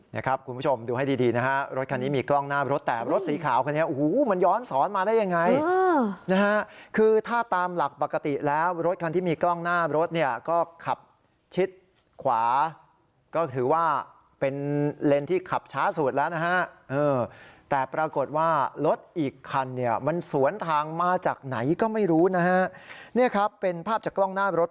นะครับคุณผู้ชมดูให้ดีดีนะฮะรถคันนี้มีกล้องหน้ารถแต่รถสีขาวคันนี้โอ้โหมันย้อนสอนมาได้ยังไงนะฮะคือถ้าตามหลักปกติแล้วรถคันที่มีกล้องหน้ารถเนี่ยก็ขับชิดขวาก็ถือว่าเป็นเลนส์ที่ขับช้าสุดแล้วนะฮะแต่ปรากฏว่ารถอีกคันเนี่ยมันสวนทางมาจากไหนก็ไม่รู้นะฮะเนี่ยครับเป็นภาพจากกล้องหน้ารถ